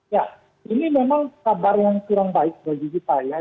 ya ini memang kabar yang kurang baik bagi kita ya